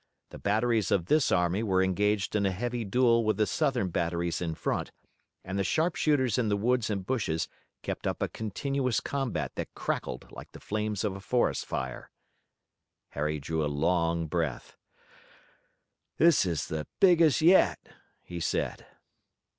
The batteries of this army were engaged in a heavy duel with the Southern batteries in front, and the sharpshooters in the woods and bushes kept up a continuous combat that crackled like the flames of a forest fire. Harry drew a long breath. "This is the biggest yet," he said.